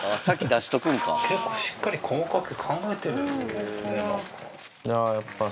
結構、しっかり細かく考えてるんですね、やっぱり。